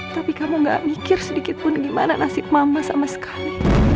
tapi kamu gak mikir sedikitpun gimana nasib mama sama sekali